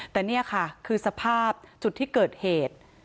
แต่นี่ค่ะคือสภาพจุดที่เกิดเหตุ